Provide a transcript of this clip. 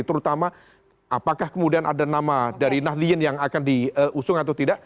terutama apakah kemudian ada nama dari nahdliyin yang akan diusung atau tidak